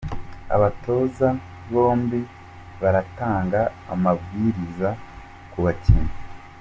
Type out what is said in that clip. Abatoza bombi baratanga amabwriza ku bakinnyi.